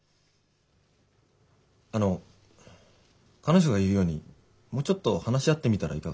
あの彼女が言うようにもうちょっと話し合ってみたらいかがでしょう。